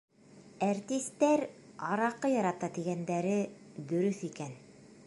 Әртистәр араҡы ярата тигәндәре дөрөҫ икән.